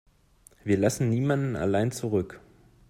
Wir lassen niemanden allein zurück.